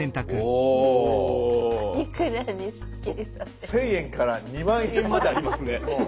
１，０００円から２０，０００円まであります。